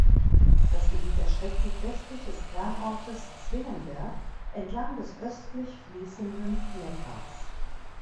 Das Gebiet erstreckt sich westlich des Kernortes Zwingenberg entlang des östlich fließenden Neckars.